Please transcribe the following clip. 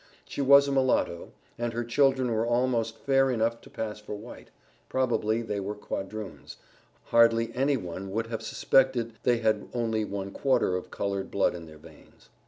She was a mulatto, and her children were almost fair enough to pass for white probably they were quadroons, hardly any one would have suspected that they had only one quarter of colored blood in their veins.